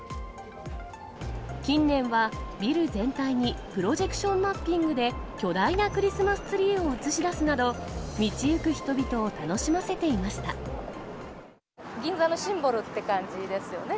近年はビル全体にプロジェクションマッピングで、巨大なクリスマスツリーを映し出すなど、銀座のシンボルっていう感じですよね。